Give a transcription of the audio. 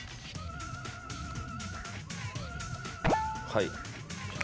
はい。